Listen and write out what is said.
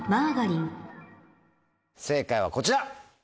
正解はこちら。